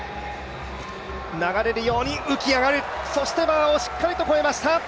流れるように浮き上がるそしてバーをしっかり越えました。